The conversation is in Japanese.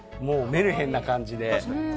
メルヘンな感じで。